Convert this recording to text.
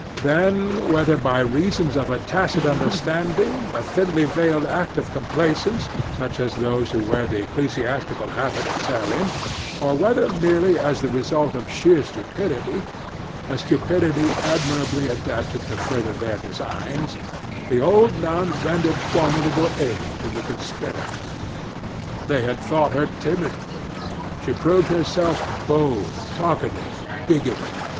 Then, whether by reason of a tacit understanding, a thinly veiled act of complaisance such as those who wear the ecclesiastical habit excel in, or whether merely as the result of sheer stupidity a stupidity admirably adapted to further their designs the old nun rendered formidable aid to the conspirator. They had thought her timid; she proved herself bold, talkative, bigoted.